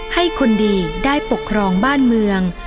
ให้คนดีได้ปกครองบ้านเมือง